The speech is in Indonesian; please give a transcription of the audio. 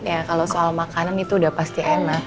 ya kalau soal makanan itu udah pasti enak